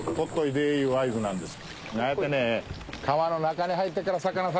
ああやって。